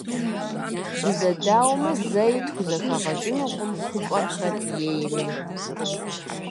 Дызэдауэмэ, зэи тхузэхэгъэкӀынукъым хъупӀэр хэт ейми.